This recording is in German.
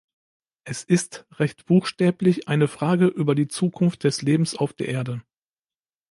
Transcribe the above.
Es ist recht buchstäblich eine Frage über die Zukunft des Lebens auf der Erde.